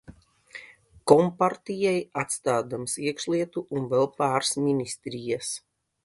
Kompartijai atstādams iekšlietu un vēl pārs ministrijas.